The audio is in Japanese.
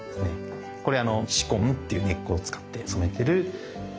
これあの紫根っていう根っこを使って染めてる紫です。